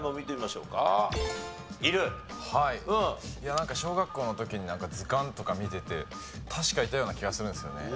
なんか小学校の時に図鑑とか見てて確かいたような気がするんですよね。